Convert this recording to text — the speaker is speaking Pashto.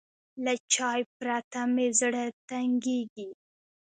له چای پرته مې زړه تنګېږي.